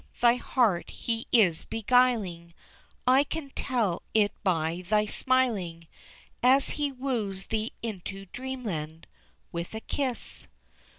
thy heart he is beguiling, I can tell it by thy smiling, As he woos thee into dreamland With a kiss.